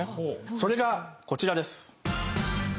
それがこちらです。